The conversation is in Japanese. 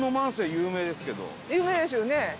有名ですよね。